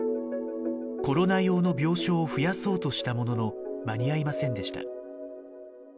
コロナ用の病床を増やそうとしたものの間に合いませんでした。